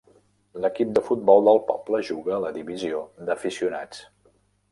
L'equip de futbol del poble juga a la divisió d'aficionats.